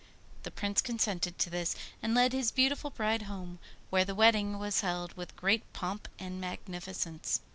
The Prince consented to this, and led his beautiful bride home, where the wedding was held with great pomp and magnificence.